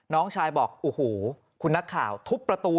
น้องชายบอกโอ้โหคุณนักข่าวทุบประตู